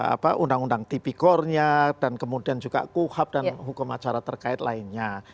apa undang undang tipikornya dan kemudian juga kuhab dan hukum acara terkait lainnya